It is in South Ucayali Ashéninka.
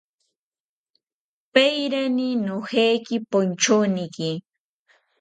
Paerani nojeki ponchoniki